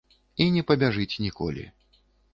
І не пабяжыць ніколі.